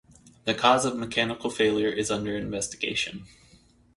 The cause of mechanical failure is under investigation.